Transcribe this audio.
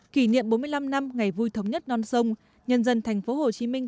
kỷ niệm bốn mươi năm năm ngày vui thống nhất non sông nhân dân thành phố hồ chí minh